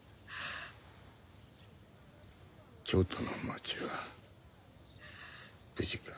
京都の町は無事か？